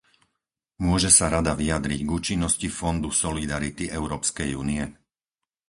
Môže sa Rada vyjadriť k účinnosti Fondu solidarity Európskej únie?